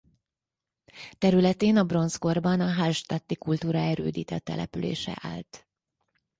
Területén a bronzkorban a hallstatti kultúra erődített települése állt.